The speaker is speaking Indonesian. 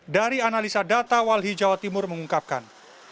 dari analisa data walhi jawa timur mengungkapkan